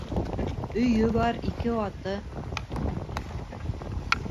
Өйө бар, ике аты.